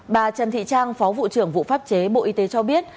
bà trần thị trang phó vụ trưởng vụ pháp chế bộ y tế cho biết